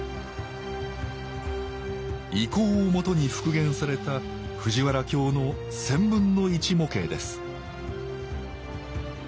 遺構を基に復元された藤原京の１０００分の１模型です